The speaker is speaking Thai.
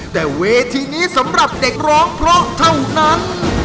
แต่เวทีนี้สำหรับเด็กร้องเพราะเท่านั้น